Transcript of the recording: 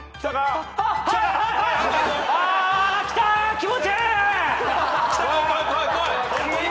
気持ちいい！